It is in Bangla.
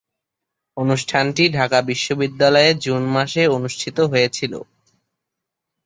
অনুষ্ঠানটি ঢাকা বিশ্ববিদ্যালয়ে জুন মাসে অনুষ্ঠিত হয়েছিলো।